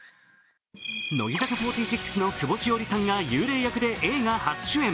乃木坂４６の久保史緒里さんが幽霊役で映画初主演。